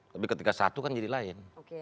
tapi ketika satu kan jadi lain